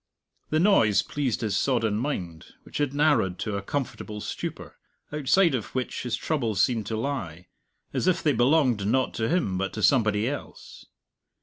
The noise pleased his sodden mind, which had narrowed to a comfortable stupor outside of which his troubles seemed to lie, as if they belonged not to him but to somebody else.